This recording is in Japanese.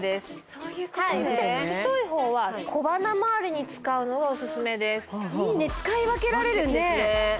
そういうことねはいそして太い方は小鼻まわりに使うのがオススメですいいね使い分けられるんですね